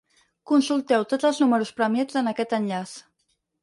Consulteu tots els números premiats en aquest enllaç.